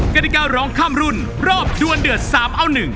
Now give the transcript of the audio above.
กฎิการ้องข้ามรุ่นรอบดวนเดือด๓เอา๑